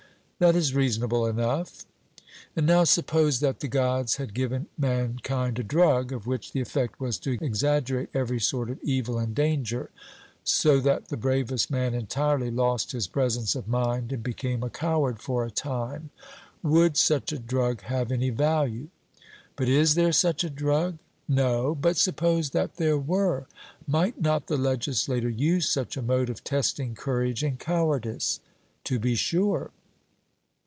'That is reasonable enough.' And now, suppose that the Gods had given mankind a drug, of which the effect was to exaggerate every sort of evil and danger, so that the bravest man entirely lost his presence of mind and became a coward for a time: would such a drug have any value? 'But is there such a drug?' No; but suppose that there were; might not the legislator use such a mode of testing courage and cowardice? 'To be sure.'